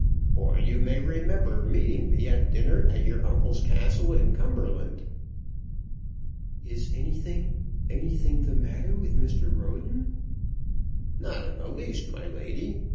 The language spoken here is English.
Or you may remember meeting me at dinner at your uncle's castle in Cumberland." "Is anything, anything the matter with Mr. Roden?" "Not in the least, my lady.